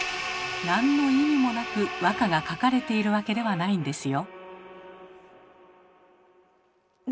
何の意味もなく和歌が書かれているわけではないんですよ。